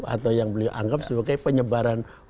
atau yang beliau anggap sebagai penyebaran